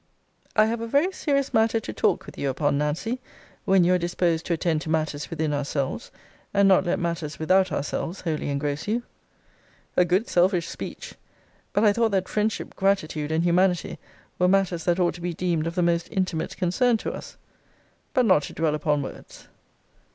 I have a very serious matter to talk with you upon, Nancy, when you are disposed to attend to matters within ourselves, and not let matters without ourselves wholly engross you. A good selve ish speech! But I thought that friendship, gratitude, and humanity, were matters that ought to be deemed of the most intimate concern to us. But not to dwell upon words.